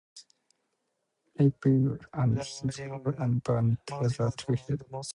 April and his crew band together to help the colonists fight off the aliens.